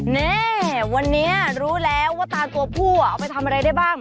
นี่วันนี้รู้แล้วว่าตาตัวผู้เอาไปทำอะไรได้บ้าง